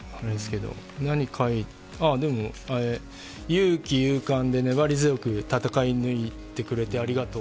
何で、あれですけど勇気、勇敢で粘り強く戦い抜いてくれてありがとう。